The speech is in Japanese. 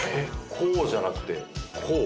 こうじゃなくてこう？